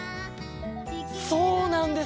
そうなんです！